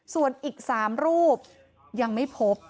ส่วนอีก๓รูปยังไม่พบ